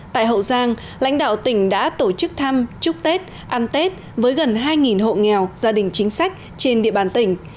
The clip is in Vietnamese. tại hậu giang lãnh đạo tỉnh đã tổ chức thăm chúc tết ăn tết với gần hai hộ nghèo gia đình chính sách trên địa bàn tỉnh